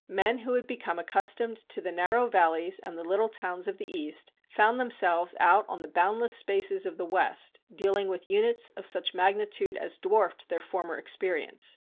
Men who had become accustomed to the narrow valleys and the little towns of the East found themselves out on the boundless spaces of the West dealing with units of such magnitude as dwarfed their former experience.